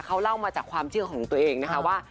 เขาเล่ามาจากความเชื่อของตัวเองนะคะว่า